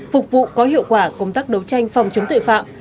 phục vụ có hiệu quả công tác đấu tranh phòng chống tội phạm